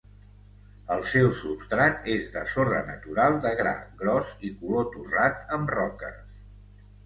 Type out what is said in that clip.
El seu substrat és de sorra natural de gra gros i color torrat amb roques.